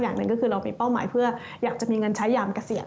อย่างหนึ่งก็คือเรามีเป้าหมายเพื่ออยากจะมีเงินใช้ยามเกษียณ